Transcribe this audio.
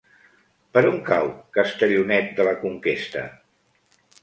Per on cau Castellonet de la Conquesta?